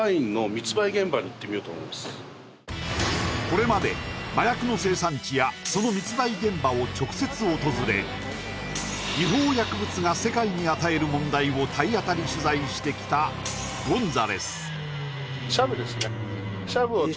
これまで麻薬の生産地やその密売現場を直接訪れ違法薬物が世界に与える問題を体当たり取材してきたゴンザレス